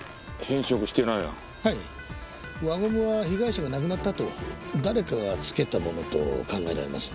輪ゴムは被害者が亡くなったあと誰かがつけたものと考えられます。